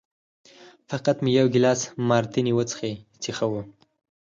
فقط مې یو ګیلاس مارتیني وڅښی چې ښه و.